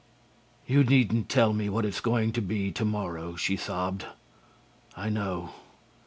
"'You needn't tell me what it's going to be to morrow,' she sobbed. 'I know.